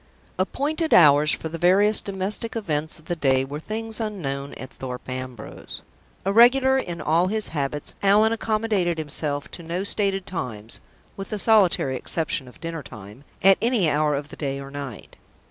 Appointed hours for the various domestic events of the day were things unknown at Thorpe Ambrose. Irregular in all his habits, Allan accommodated himself to no stated times (with the solitary exception of dinner time) at any hour of the day or night.